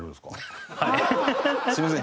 すみません。